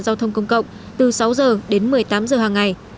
giao thông công cộng từ sáu giờ đến một mươi tám giờ hàng ngày